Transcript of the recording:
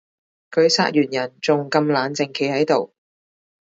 佢殺完人仲咁冷靜企喺度